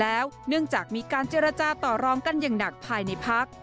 แล้วเนื่องจากมีการเจรจาต่อรองกันอย่างหนักภายในพัก